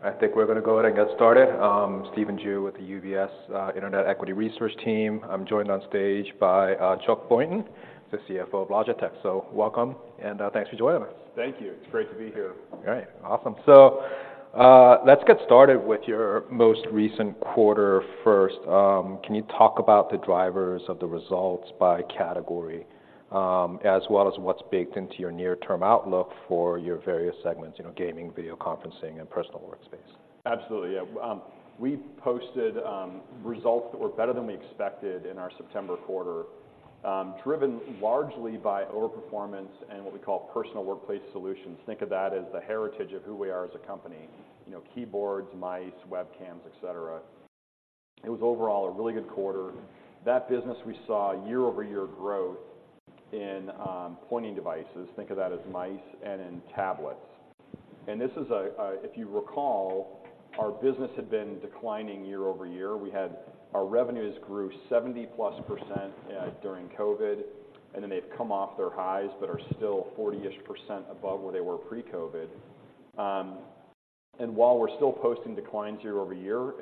Great. I think we're gonna go ahead and get started. Stephen Ju with the UBS Internet Equity Research Team. I'm joined on stage by Chuck Boynton, the CFO of Logitech. So welcome, and thanks for joining us. Thank you. It's great to be here. All right. Awesome. So, let's get started with your most recent quarter first. Can you talk about the drivers of the results by category, as well as what's baked into your near-term outlook for your various segments, you know, gaming, video conferencing, and personal workspace? Absolutely, yeah. We posted results that were better than we expected in our September quarter, driven largely by overperformance in what we call Personal Workspace Solutions. Think of that as the heritage of who we are as a company, you know, keyboards, mice, webcams, etc. It was overall a really good quarter. That business, we saw year-over-year growth in pointing devices, think of that as mice and in tablets. And this is a—if you recall, our business had been declining year-over-year. We had—Our revenues grew 70%+ during COVID, and then they've come off their highs, but are still 40-ish% above where they were pre-COVID. And while we're still posting declines year-over-year,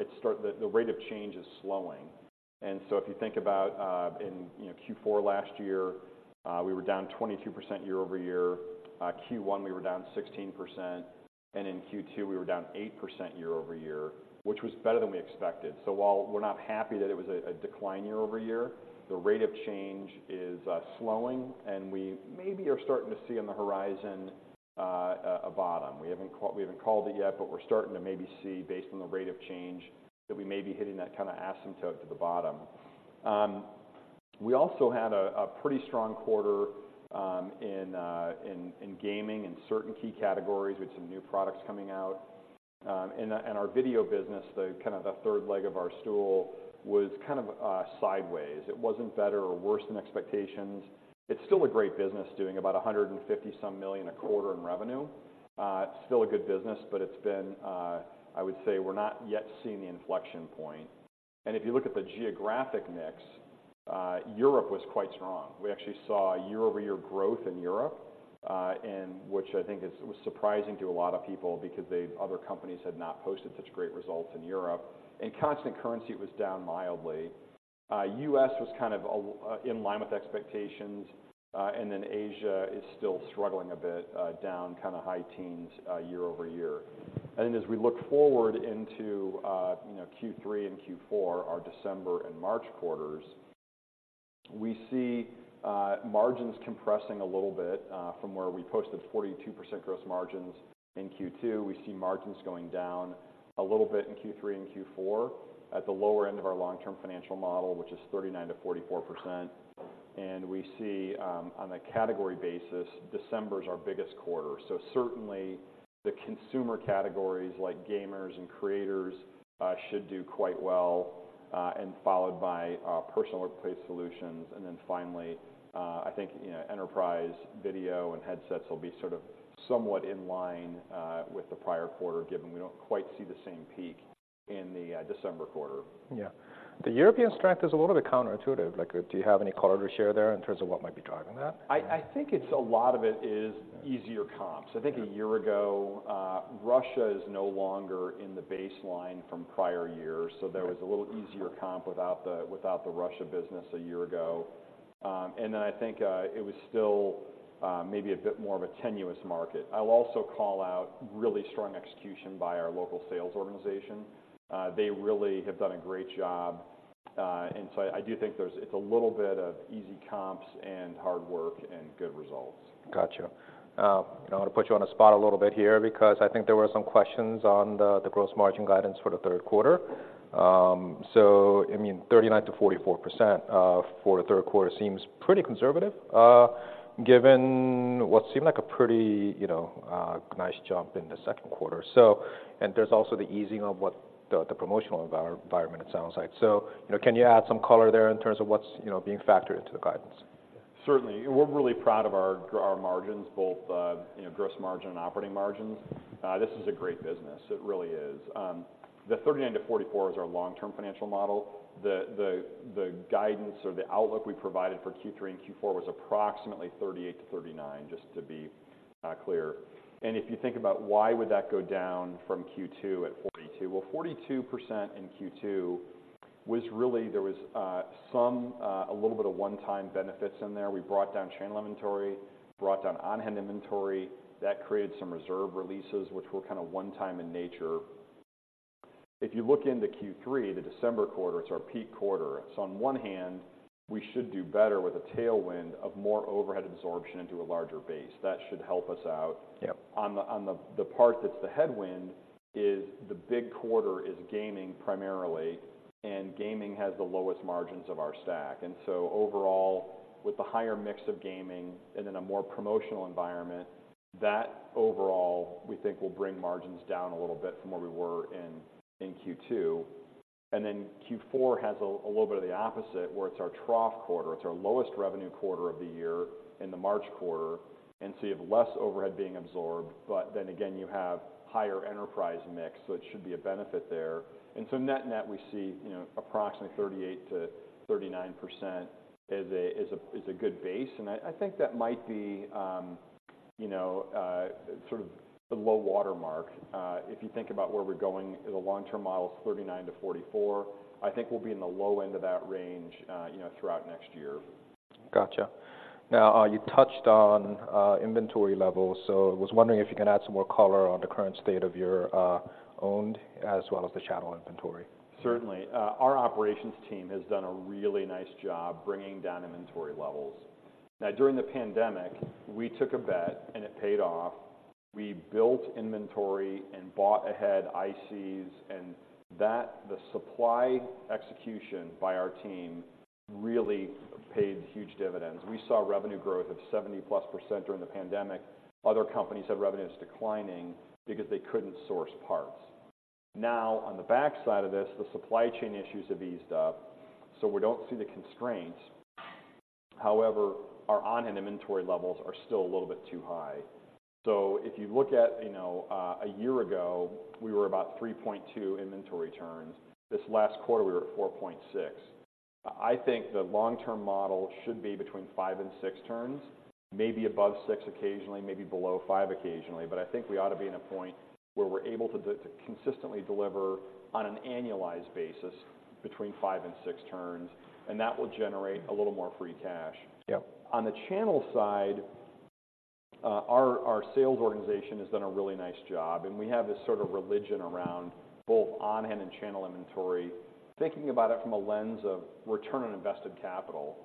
the rate of change is slowing. And so if you think about, in, you know, Q4 last year, we were down 22% year-over-year. Q1, we were down 16%, and in Q2, we were down 8% year-over-year, which was better than we expected. So while we're not happy that it was a decline year-over-year, the rate of change is slowing, and we maybe are starting to see on the horizon, a bottom. We haven't called, we haven't called it yet, but we're starting to maybe see, based on the rate of change, that we may be hitting that kind of asymptote to the bottom. We also had a pretty strong quarter in gaming, in certain key categories with some new products coming out. Our video business, the third leg of our stool, was kind of sideways. It wasn't better or worse than expectations. It's still a great business, doing about $150-some million a quarter in revenue. It's still a good business, but it's been. I would say we're not yet seeing the inflection point. If you look at the geographic mix, Europe was quite strong. We actually saw year-over-year growth in Europe, and which I think was surprising to a lot of people because other companies had not posted such great results in Europe. In constant currency, it was down mildly. U.S. was kind of in line with expectations, and then Asia is still struggling a bit, down kind of high teens year-over-year. As we look forward into, you know, Q3 and Q4, our December and March quarters, we see margins compressing a little bit from where we posted 42% gross margins in Q2. We see margins going down a little bit in Q3 and Q4 at the lower end of our long-term financial model, which is 39%-44%. We see on a category basis, December is our biggest quarter. So certainly, the consumer categories like gamers and creators should do quite well, and followed by Personal Workspace Solutions. And then finally, I think, you know, enterprise video and headsets will be sort of somewhat in line with the prior quarter, given we don't quite see the same peak in the December quarter. Yeah. The European strength is a little bit counterintuitive. Like, do you have any color to share there in terms of what might be driving that? I think a lot of it is easier comps. Yeah. I think a year ago, Russia is no longer in the baseline from prior years- Yeah So there was a little easier comp without the, without the Russia business a year ago. And then I think it was still maybe a bit more of a tenuous market. I'll also call out really strong execution by our local sales organization. They really have done a great job. And so I do think there's, it's a little bit of easy comps and hard work and good results. Gotcha. I'm gonna put you on the spot a little bit here because I think there were some questions on the gross margin guidance for the third quarter. So, I mean, 39%-44% for the third quarter seems pretty conservative, given what seemed like a pretty, you know, nice jump in the second quarter. So, and there's also the easing of what the promotional environment it sounds like. So, you know, can you add some color there in terms of what's, you know, being factored into the guidance? Certainly. We're really proud of our margins, both, you know, gross margin and operating margins. This is a great business. It really is. The 39%-44% is our long-term financial model. The guidance or the outlook we provided for Q3 and Q4 was approximately 38%-39%, just to be clear. And if you think about why would that go down from Q2 at 42%? Well, 42% in Q2 was really a little bit of one-time benefits in there. We brought down channel inventory, brought down on-hand inventory, that created some reserve releases, which were kind of one-time in nature. If you look into Q3, the December quarter, it's our peak quarter. So on one hand, we should do better with a tailwind of more overhead absorption into a larger base. That should help us out. Yep. On the part that's the headwind is the big quarter is gaming primarily, and gaming has the lowest margins of our stack. And so overall, with the higher mix of gaming and in a more promotional environment, that overall we think will bring margins down a little bit from where we were in Q2. And then Q4 has a little bit of the opposite, where it's our trough quarter. It's our lowest revenue quarter of the year in the March quarter, and so you have less overhead being absorbed, but then again, you have higher enterprise mix, so it should be a benefit there. And so net-net, we see, you know, approximately 38%-39% is a good base, and I think that might be, you know, sort of the low water mark. If you think about where we're going, the long-term model is 39-44. I think we'll be in the low end of that range, you know, throughout next year. Gotcha. Now, you touched on inventory levels, so I was wondering if you can add some more color on the current state of your owned as well as the channel inventory? Certainly. Our operations team has done a really nice job bringing down inventory levels. Now, during the pandemic, we took a bet, and it paid off. We built inventory and bought ahead ICs, and that, the supply execution by our team really paid huge dividends. We saw revenue growth of 70%+ during the pandemic. Other companies had revenues declining because they couldn't source parts. Now, on the back side of this, the supply chain issues have eased up, so we don't see the constraints. However, our on-hand inventory levels are still a little bit too high. So if you look at, you know, a year ago, we were about 3.2 inventory turns. This last quarter, we were at 4.6. I think the long-term model should be between five and six turns, maybe above six occasionally, maybe below five occasionally, but I think we ought to be in a point where we're able to consistently deliver on an annualized basis between five and six turns, and that will generate a little more free cash. Yep. On the channel side, our, our sales organization has done a really nice job, and we have this sort of religion around both on-hand and channel inventory, thinking about it from a lens of return on invested capital.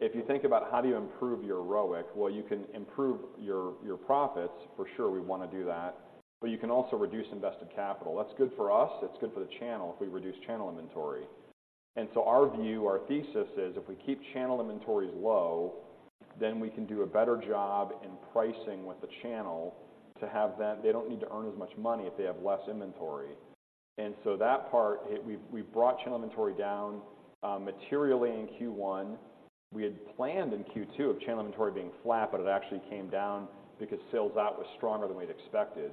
If you think about: How do you improve your ROIC? Well, you can improve your, your profits. For sure, we want to do that, but you can also reduce invested capital. That's good for us, it's good for the channel if we reduce channel inventory. And so our view, our thesis is, if we keep channel inventories low, then we can do a better job in pricing with the channel to have them. They don't need to earn as much money if they have less inventory. And so that part, we've brought channel inventory down materially in Q1. We had planned in Q2 of channel inventory being flat, but it actually came down because sell-out was stronger than we'd expected.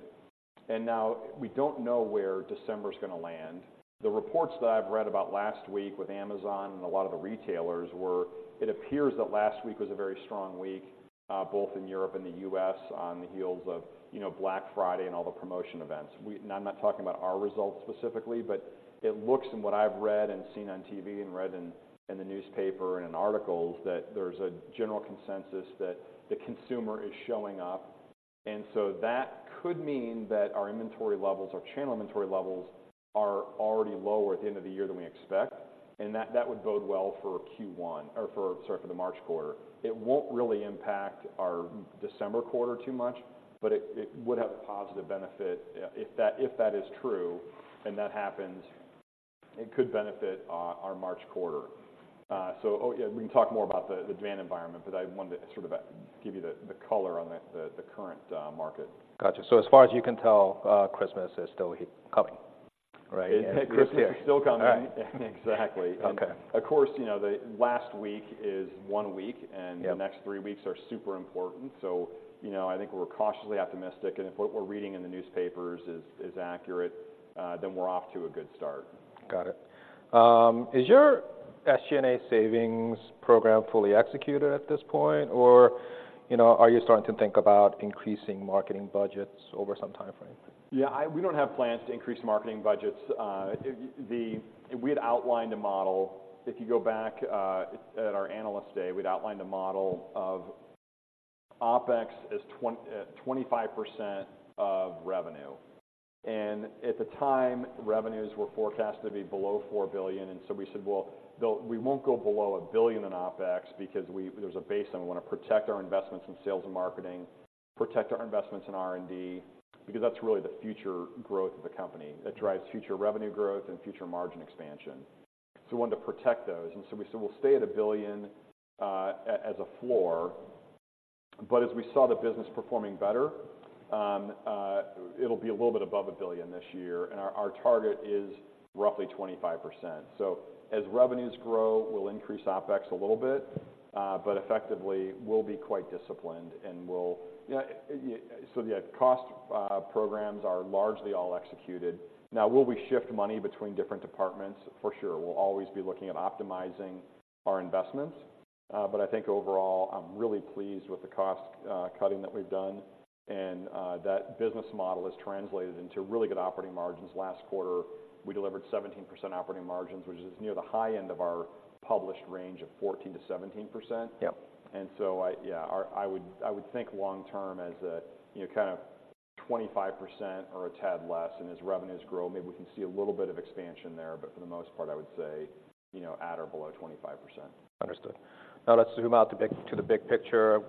And now we don't know where December's going to land. The reports that I've read about last week with Amazon and a lot of the retailers were—it appears that last week was a very strong week, both in Europe and the U.S., on the heels of, you know, Black Friday and all the promotion events. And I'm not talking about our results specifically, but it looks, and what I've read and seen on TV and read in, in the newspaper and in articles, that there's a general consensus that the consumer is showing up. And so that could mean that our inventory levels, our channel inventory levels, are already lower at the end of the year than we expect, and that would bode well for Q1 or for, sorry, for the March quarter. It won't really impact our December quarter too much, but it would have a positive benefit if that is true and that happens, it could benefit our March quarter. So, oh, yeah, we can talk more about the demand environment, but I wanted to sort of give you the color on the current market. Gotcha. So as far as you can tell, Christmas is still coming, right? Christmas is still coming. All right. Exactly. Okay. Of course, you know, the last week is one week- Yep And the next three weeks are super important. So, you know, I think we're cautiously optimistic, and if what we're reading in the newspapers is accurate, then we're off to a good start. Got it. Is your SG&A savings program fully executed at this point? Or, you know, are you starting to think about increasing marketing budgets over some timeframe? Yeah, we don't have plans to increase marketing budgets. We had outlined a model. If you go back, at our Analyst Day, we'd outlined a model of OpEx as 25% of revenue, and at the time, revenues were forecasted to be below $4 billion. And so we said, "Well, we won't go below $1 billion in OpEx because there's a base, and we wanna protect our investments in sales and marketing, protect our investments in R&D, because that's really the future growth of the company. That drives future revenue growth and future margin expansion." So we wanted to protect those, and so we said, "We'll stay at $1 billion as a floor." But as we saw the business performing better, it'll be a little bit above $1 billion this year, and our target is roughly 25%. So as revenues grow, we'll increase OpEx a little bit, but effectively, we'll be quite disciplined and we'll. Yeah, so yeah, cost programs are largely all executed. Now, will we shift money between different departments? For sure, we'll always be looking at optimizing our investments. But I think overall, I'm really pleased with the cost cutting that we've done, and that business model has translated into really good operating margins. Last quarter, we delivered 17% operating margins, which is near the high end of our published range of 14%-17%. Yep. And so I would, I would think long term as a, you know, kind of 25% or a tad less, and as revenues grow, maybe we can see a little bit of expansion there, but for the most part, I would say, you know, at or below 25%. Understood. Now, let's zoom out to the big picture.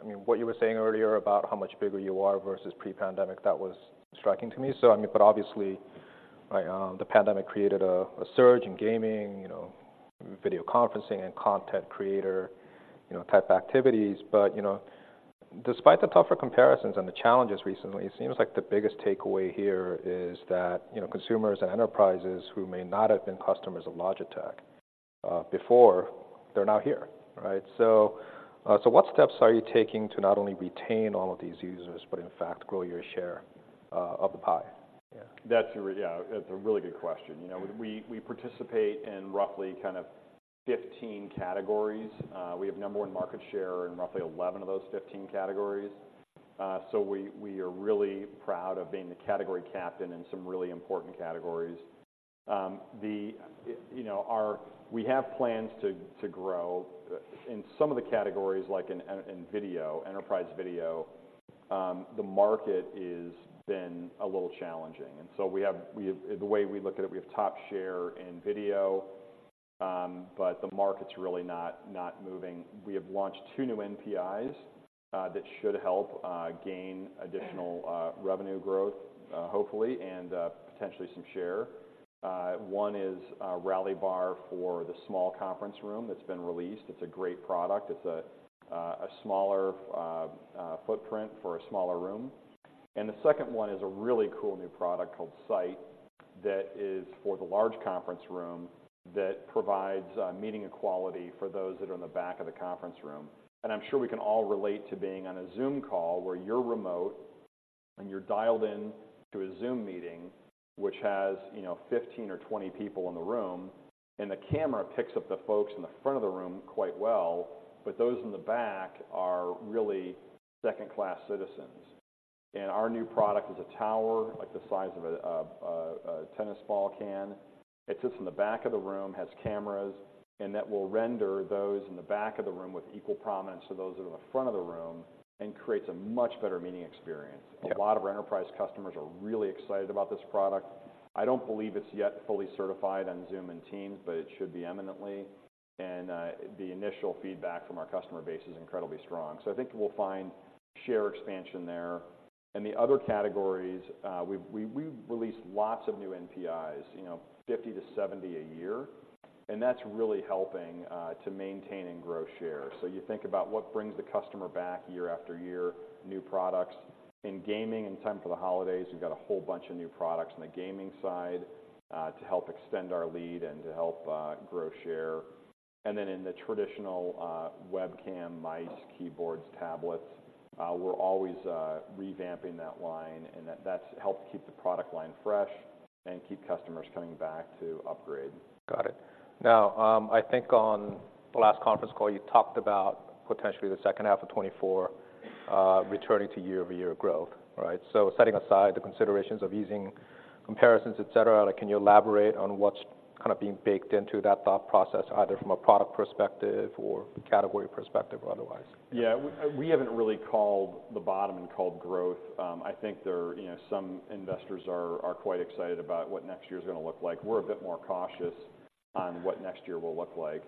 I mean, what you were saying earlier about how much bigger you are versus pre-pandemic, that was striking to me. So I mean, but obviously, the pandemic created a surge in gaming, you know, video conferencing and content creator, you know, type activities. But, you know, despite the tougher comparisons and the challenges recently, it seems like the biggest takeaway here is that, you know, consumers and enterprises who may not have been customers of Logitech before, they're now here, right? So, so what steps are you taking to not only retain all of these users, but in fact, grow your share of the pie? Yeah. Yeah, that's a really good question. You know, we participate in roughly 15 categories. We have number one market share in roughly 11 of those 15 categories. So we are really proud of being the category captain in some really important categories. You know, we have plans to grow. In some of the categories, like in video, enterprise video, the market is been a little challenging, and so the way we look at it, we have top share in video, but the market's really not moving. We have launched two new NPIs that should help gain additional revenue growth, hopefully, and potentially some share. One is a Rally Bar for the small conference room that's been released. It's a great product. It's a smaller footprint for a smaller room. The second one is a really cool new product called Sight, that is for the large conference room, that provides meeting equality for those that are in the back of the conference room. I'm sure we can all relate to being on a Zoom call where you're remote and you're dialed in to a Zoom meeting, which has, you know, 15 or 20 people in the room, and the camera picks up the folks in the front of the room quite well, but those in the back are really second-class citizens. Our new product is a tower, like the size of a tennis ball can. It sits in the back of the room, has cameras, and that will render those in the back of the room with equal prominence to those in the front of the room and creates a much better meeting experience. Yeah. A lot of our enterprise customers are really excited about this product. I don't believe it's yet fully certified on Zoom and Teams, but it should be imminently, and the initial feedback from our customer base is incredibly strong. So I think we'll find share expansion there. In the other categories, we, we've released lots of new NPIs, you know, 50-70 a year, and that's really helping to maintain and grow share. So you think about what brings the customer back year after year, new products. In gaming, in time for the holidays, we've got a whole bunch of new products on the gaming side to help extend our lead and to help grow share. In the traditional webcam, mice, keyboards, tablets, we're always revamping that line, and that's helped keep the product line fresh and keep customers coming back to upgrade. Got it. Now, I think on the last conference call, you talked about potentially the second half of 2024, returning to year-over-year growth, right? So setting aside the considerations of using comparisons, et cetera, like, can you elaborate on what's kind of being baked into that thought process, either from a product perspective or category perspective or otherwise? Yeah, we haven't really called the bottom and called growth. I think there are, you know, some investors are quite excited about what next year's gonna look like. We're a bit more cautious on what next year will look like.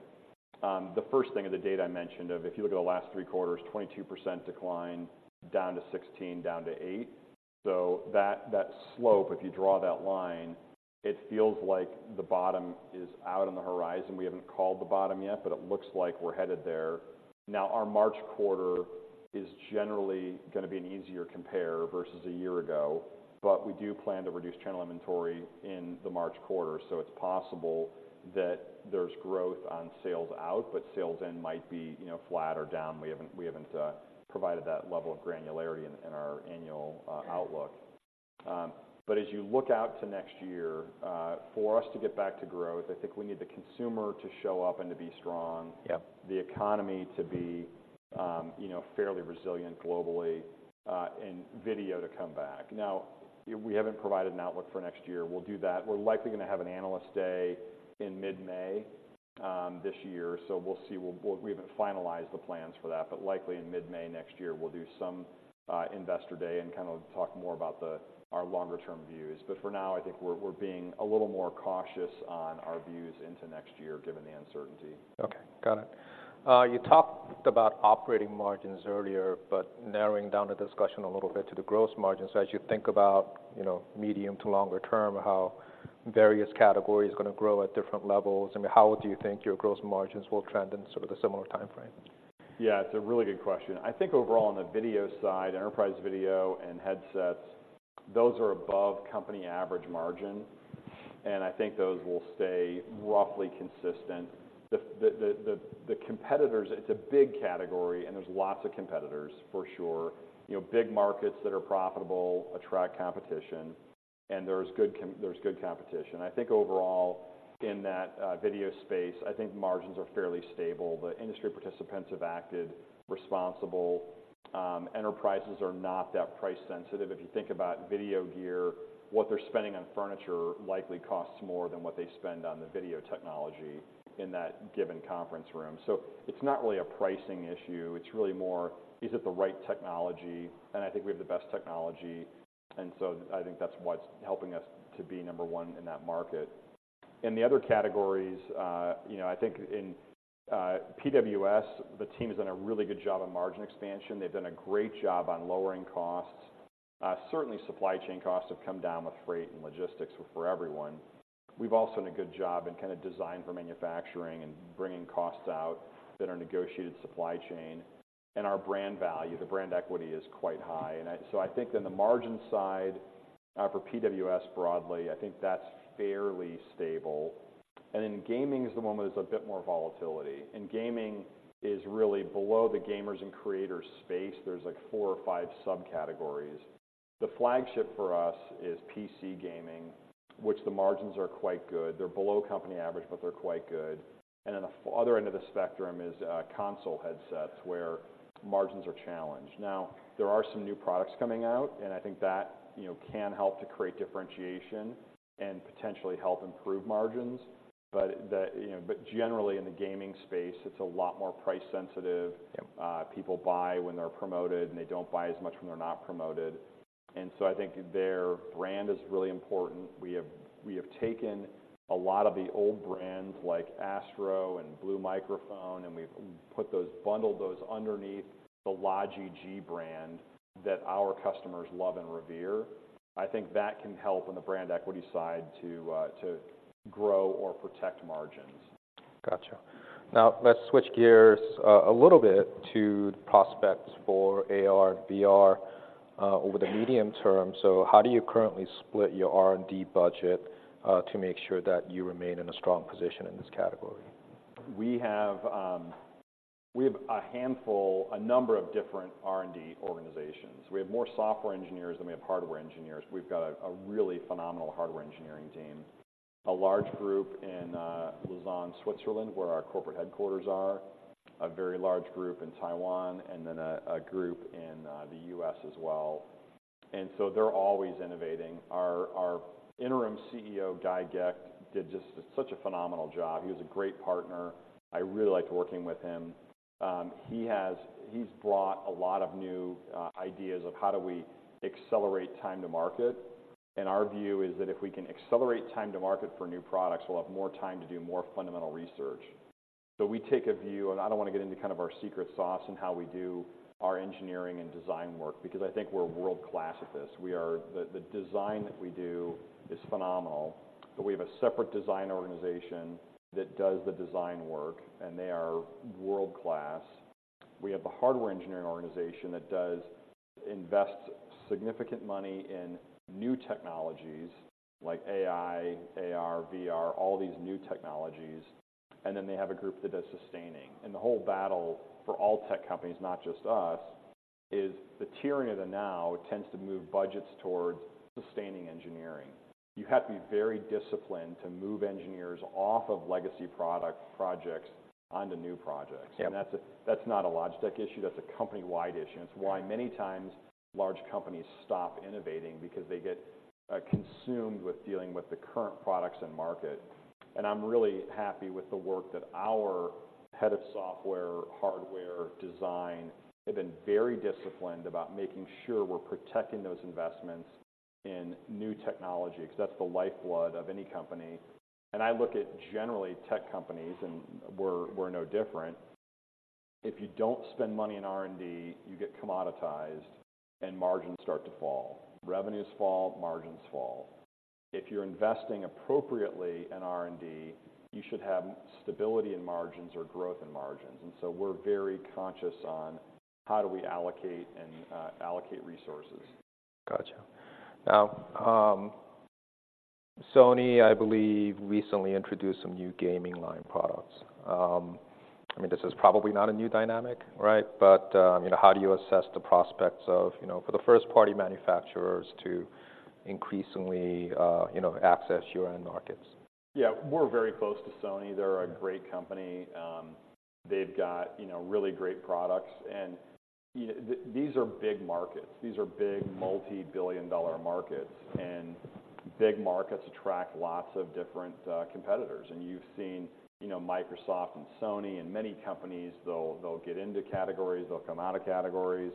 The first thing of the data I mentioned of, if you look at the last three quarters, 22% decline, down to 16%, down to 8%. So that slope, if you draw that line, it feels like the bottom is out on the horizon. We haven't called the bottom yet, but it looks like we're headed there. Now, our March quarter is generally gonna be an easier compare versus a year ago, but we do plan to reduce channel inventory in the March quarter, so it's possible that there's growth on sales out, but sell-in might be, you know, flat or down. We haven't provided that level of granularity in our annual outlook. But as you look out to next year, for us to get back to growth, I think we need the consumer to show up and to be strong. Yeah The economy to be, you know, fairly resilient globally, and video to come back. Now, we haven't provided an outlook for next year. We'll do that. We're likely gonna have an Analyst Day in mid-May, this year, so we'll see. We haven't finalized the plans for that, but likely in mid-May next year, we'll do some, Investor Day and kind of talk more about the, our longer term views. But for now, I think we're being a little more cautious on our views into next year, given the uncertainty. Okay. Got it. You talked about operating margins earlier, but narrowing down the discussion a little bit to the gross margins, as you think about, you know, medium to longer term, how various categories are gonna grow at different levels, I mean, how do you think your gross margins will trend in sort of a similar timeframe? Yeah, it's a really good question. I think overall, on the video side, enterprise video and headsets, those are above company average margin, and I think those will stay roughly consistent. The competitors, it's a big category, and there's lots of competitors, for sure. You know, big markets that are profitable attract competition, and there's good competition. I think overall, in that video space, I think margins are fairly stable. The industry participants have acted responsible. Enterprises are not that price sensitive. If you think about video gear, what they're spending on furniture likely costs more than what they spend on the video technology in that given conference room. So it's not really a pricing issue, it's really more: Is it the right technology? And I think we have the best technology, and so I think that's what's helping us to be number one in that market. In the other categories, you know, I think in PWS, the team has done a really good job on margin expansion. They've done a great job on lowering costs. Certainly supply chain costs have come down with freight and logistics for everyone. We've also done a good job in kind of design for manufacturing and bringing costs out that are negotiated supply chain. And our brand value, the brand equity is quite high. And I. So I think in the margin side, for PWS broadly, I think that's fairly stable. And in gaming is the one that is a bit more volatile, and gaming is really below the gamers and creators space. There's, like, four or five subcategories. The flagship for us is PC gaming, which the margins are quite good. They're below company average, but they're quite good. And then the other end of the spectrum is console headsets, where margins are challenged. Now, there are some new products coming out, and I think that, you know, can help to create differentiation and potentially help improve margins, but the, you know. But generally, in the gaming space, it's a lot more price sensitive. Yep. People buy when they're promoted, and they don't buy as much when they're not promoted, and so I think their brand is really important. We have taken a lot of the old brands, like Astro and Blue Microphones, and we've bundled those underneath the Logi G brand that our customers love and revere. I think that can help on the brand equity side to grow or protect margins. Gotcha. Now, let's switch gears, a little bit to prospects for AR and VR, over the medium term. So how do you currently split your R&D budget, to make sure that you remain in a strong position in this category? We have a handful, a number of different R&D organizations. We have more software engineers than we have hardware engineers. We've got a really phenomenal hardware engineering team. A large group in Lausanne, Switzerland, where our corporate headquarters are, a very large group in Taiwan, and then a group in the U.S. as well, and so they're always innovating. Our interim CEO, Guy Gecht, did just such a phenomenal job. He was a great partner. I really liked working with him. He's brought a lot of new ideas of how do we accelerate time to market, and our view is that if we can accelerate time to market for new products, we'll have more time to do more fundamental research. So we take a view, and I don't wanna get into kind of our secret sauce and how we do our engineering and design work, because I think we're world-class at this. We are. The design that we do is phenomenal, but we have a separate design organization that does the design work, and they are world-class. We have a hardware engineering organization that does invest significant money in new technologies like AI, AR, VR, all these new technologies, and then they have a group that does sustaining. And the whole battle for all tech companies, not just us, is the tyranny of the now tends to move budgets towards sustaining engineering. You have to be very disciplined to move engineers off of legacy product projects onto new projects. That's not a Logitech issue, that's a company-wide issue. And it's why many times large companies stop innovating because they get consumed with dealing with the current products and market. And I'm really happy with the work that our head of software, hardware design, have been very disciplined about making sure we're protecting those investments in new technology, 'cause that's the lifeblood of any company. And I look at, generally, tech companies, and we're, we're no different. If you don't spend money in R&D, you get commoditized and margins start to fall. Revenues fall, margins fall. If you're investing appropriately in R&D, you should have stability in margins or growth in margins, and so we're very conscious on how do we allocate and allocate resources. Gotcha. Now, Sony, I believe, recently introduced some new gaming line products. I mean, this is probably not a new dynamic, right? But, you know, how do you assess the prospects of, you know, for the first party manufacturers to increasingly, you know, access your end markets? Yeah, we're very close to Sony. They're a great company. They've got, you know, really great products, and, you know, these are big markets. These are big, multi-billion-dollar markets, and big markets attract lots of different, competitors. And you've seen, you know, Microsoft and Sony and many companies, they'll, they'll get into categories, they'll come out of categories.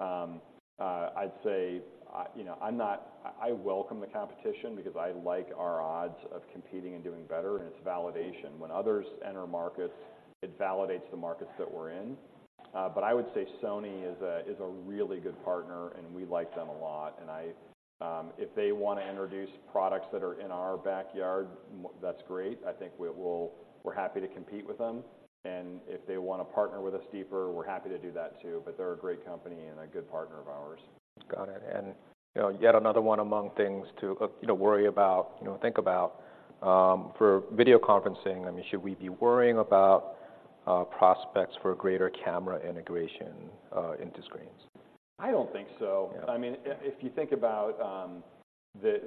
I'd say, you know, I welcome the competition because I like our odds of competing and doing better, and it's validation. When others enter markets, it validates the markets that we're in. But I would say Sony is a, is a really good partner, and we like them a lot, and I. If they wanna introduce products that are in our backyard, that's great. I think we're happy to compete with them, and if they wanna partner with us deeper, we're happy to do that too, but they're a great company and a good partner of ours. Got it. And, you know, yet another one among things to, you know, worry about, you know, think about, for video conferencing. I mean, should we be worrying about prospects for greater camera integration into screens? I don't think so. Yeah. I mean, if you think about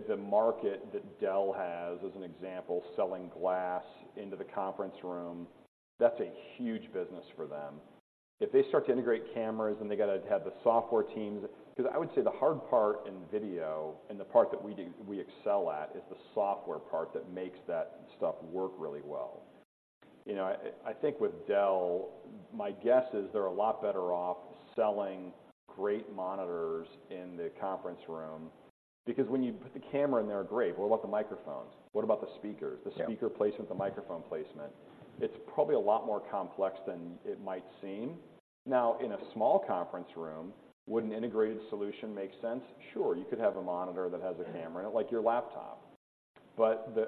the market that Dell has, as an example, selling glass into the conference room, that's a huge business for them. If they start to integrate cameras, then they gotta have the software teams, 'cause I would say the hard part in video, and the part that we excel at, is the software part that makes that stuff work really well. You know, I think with Dell, my guess is they're a lot better off selling great monitors in the conference room, because when you put the camera in there, great, what about the microphones? What about the speakers? Yeah. The speaker placement, the microphone placement, it's probably a lot more complex than it might seem. Now, in a small conference room, would an integrated solution make sense? Sure, you could have a monitor that has a camera in it, like your laptop. But the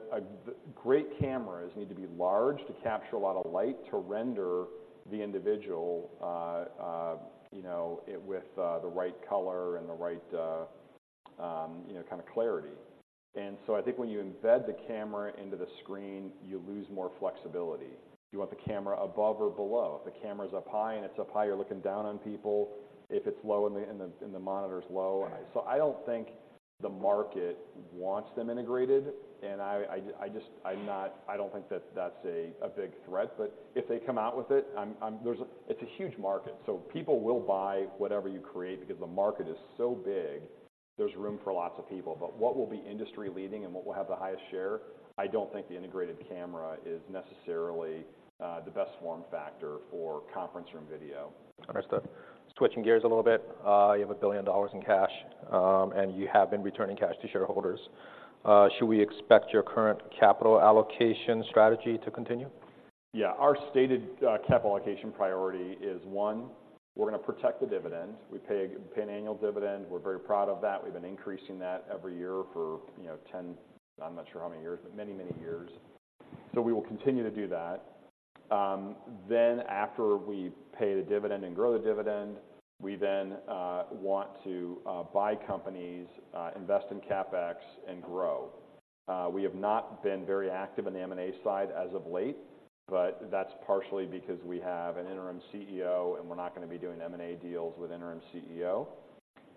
great cameras need to be large to capture a lot of light, to render the individual you know it with the right color and the right you know kind of clarity. And so I think when you embed the camera into the screen, you lose more flexibility. Do you want the camera above or below? If the camera's up high and it's up high, you're looking down on people. If it's low and the monitor is low, so I don't think the market wants them integrated, and I just, I'm not—I don't think that's a big threat. But if they come out with it, there's a... It's a huge market, so people will buy whatever you create because the market is so big, there's room for lots of people. But what will be industry-leading and what will have the highest share? I don't think the integrated camera is necessarily the best form factor for conference room video. Understood. Switching gears a little bit, you have $1 billion in cash, and you have been returning cash to shareholders. Should we expect your current capital allocation strategy to continue? Yeah. Our stated capital allocation priority is, one, we're gonna protect the dividend. We pay a, we pay an annual dividend, we're very proud of that. We've been increasing that every year for, you know, 10, I'm not sure how many years, but many, many years. So we will continue to do that. Then after we pay the dividend and grow the dividend, we then want to buy companies, invest in CapEx and grow. We have not been very active in the M&A side as of late, but that's partially because we have an interim CEO, and we're not gonna be doing M&A deals with interim CEO.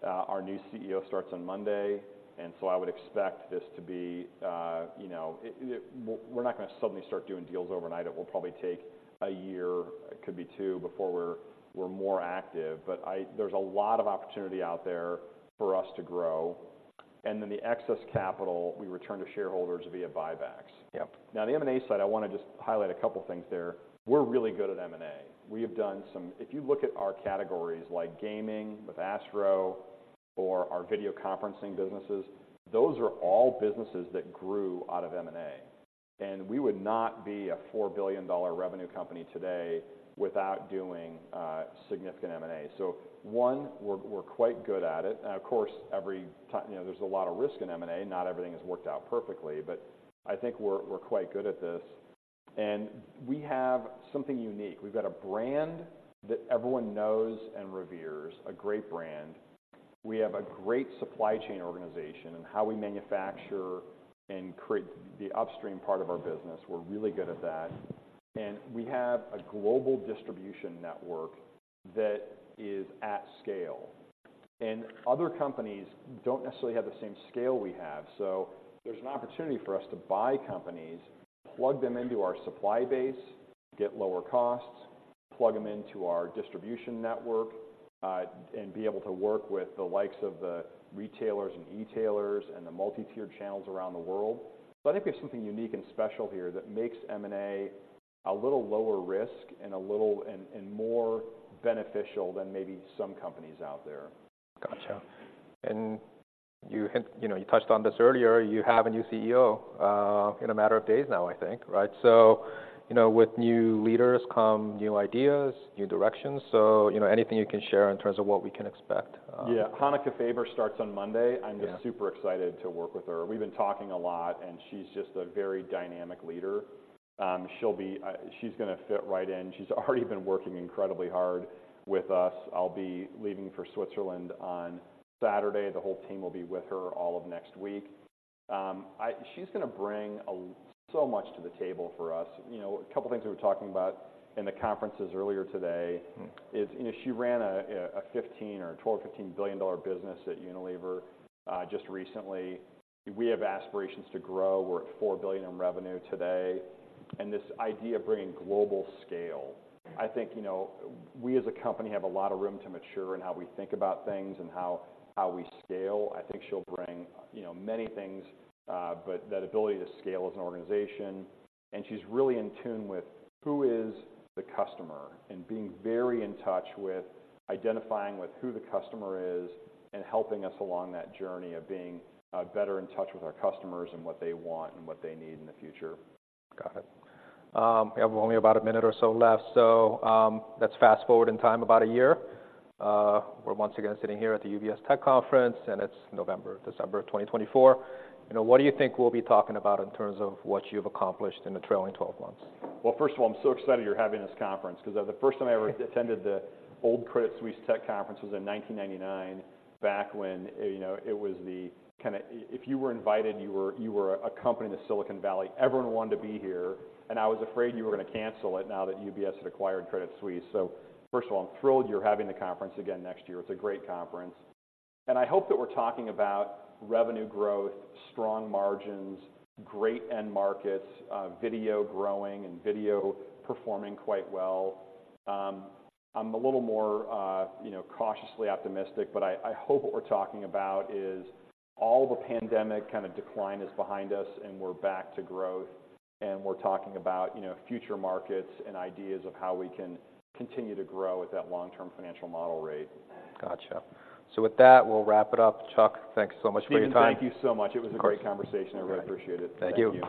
Our new CEO starts on Monday, and so I would expect this to be, you know, we're not gonna suddenly start doing deals overnight. It will probably take a year, it could be two, before we're more active. But there's a lot of opportunity out there for us to grow, and then the excess capital, we return to shareholders via buybacks. Yeah. Now, the M&A side, I wanna just highlight a couple things there. We're really good at M&A. We have done some. If you look at our categories, like gaming with Astro or our video conferencing businesses, those are all businesses that grew out of M&A, and we would not be a $4 billion revenue company today without doing significant M&A. So one, we're quite good at it. And of course, every time. You know, there's a lot of risk in M&A, not everything has worked out perfectly, but I think we're quite good at this. And we have something unique. We've got a brand that everyone knows and reveres, a great brand. We have a great supply chain organization, and how we manufacture and create the upstream part of our business, we're really good at that. We have a global distribution network that is at scale, and other companies don't necessarily have the same scale we have. So there's an opportunity for us to buy companies, plug them into our supply base, get lower costs, plug them into our distribution network, and be able to work with the likes of the retailers and e-tailers, and the multi-tiered channels around the world. So I think we have something unique and special here that makes M&A a little lower risk and more beneficial than maybe some companies out there. Gotcha. And you had, you know, you touched on this earlier, you have a new CEO in a matter of days now, I think, right? So, you know, with new leaders come new ideas, new directions. So, you know, anything you can share in terms of what we can expect, Yeah. Hanneke Faber starts on Monday. Yeah. I'm just super excited to work with her. We've been talking a lot, and she's just a very dynamic leader. She'll be, she's gonna fit right in. She's already been working incredibly hard with us. I'll be leaving for Switzerland on Saturday. The whole team will be with her all of next week. She's gonna bring so much to the table for us. You know, a couple things we were talking about in the conferences earlier today is, you know, she ran a fifteen or twelve to fifteen billion dollar business at Unilever just recently. We have aspirations to grow. We're at $4 billion in revenue today, and this idea of bringing global scale, I think, you know, we as a company, have a lot of room to mature in how we think about things and how we scale. I think she'll bring, you know, many things, but that ability to scale as an organization, and she's really in tune with who is the customer, and being very in touch with identifying with who the customer is, and helping us along that journey of being better in touch with our customers and what they want and what they need in the future. Got it. We have only about a minute or so left, so, let's fast forward in time about a year. We're once again sitting here at the UBS Tech Conference, and it's November, December of 2024. You know, what do you think we'll be talking about in terms of what you've accomplished in the trailing twelve months? Well, first of all, I'm so excited you're having this conference, 'cause the first time I ever attended the old Credit Suisse Tech Conference was in 1999, back when, you know, it was the kinda. if you were invited, you were a company in the Silicon Valley. Everyone wanted to be here, and I was afraid you were gonna cancel it now that UBS had acquired Credit Suisse. So first of all, I'm thrilled you're having the conference again next year. It's a great conference. And I hope that we're talking about revenue growth, strong margins, great end markets, video growing and video performing quite well. I'm a little more, you know, cautiously optimistic, but I hope what we're talking about is all the pandemic kind of decline is behind us, and we're back to growth, and we're talking about, you know, future markets and ideas of how we can continue to grow at that long-term financial model rate. Gotcha. So with that, we'll wrap it up. Chuck, thank you so much for your time. Stephen, thank you so much. Of course. It was a great conversation. I really appreciate it. Thank you.